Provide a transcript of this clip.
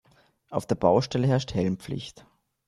Auf der Baustelle herrscht Helmpflicht.